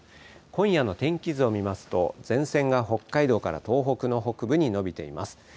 今夜の天気図を見ますと、前線が北海道から東北の北部に延びています。